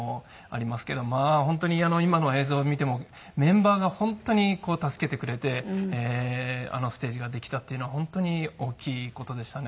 まあ本当に今の映像を見てもメンバーが本当に助けてくれてあのステージができたっていうのは本当に大きい事でしたね。